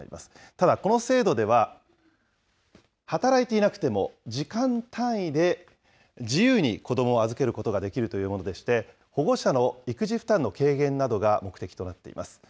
ただ、この制度では働いていなくても時間単位で、自由に子どもを預けることができるというものでして、保護者の育児負担の軽減などが目的となっています。